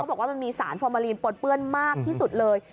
บอกว่ามันมีสารฟอร์มาลีนปนเปื้อนมากที่สุดเลย